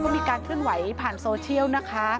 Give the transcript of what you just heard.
ก็มีการเคลื่อนไหวผ่านโซเชียลนะคะ